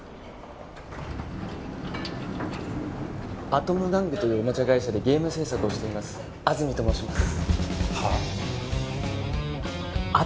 アトム玩具というおもちゃ会社でゲーム制作をしています安積と申しますはあ？